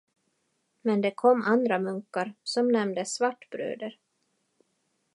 Men det kom andra munkar, som nämndes Svartbröder.